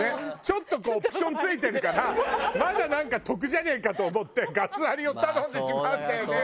ちょっとこうオプション付いてるからまだなんか得じゃねえかと思ってガスありを頼んでしまうんだよね。